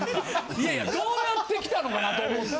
いやいやどうやってきたのかなと思って。